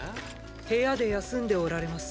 部屋で休んでおられます。